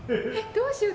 どうしよう。